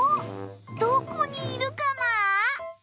どこにいるかな？